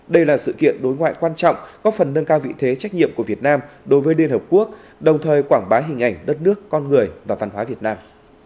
đây là sự kiện đối ngoại quan trọng có phần nâng cao vị thế trách nhiệm của việt nam đối với liên hợp quốc đồng thời quảng bá hình ảnh đất nước con người và văn hóa việt nam